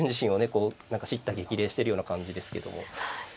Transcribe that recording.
こう何か叱咤激励してるような感じですけども。